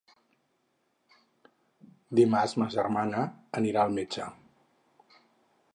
Dimarts ma germana anirà al metge.